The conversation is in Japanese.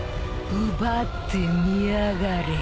奪ってみやがれ。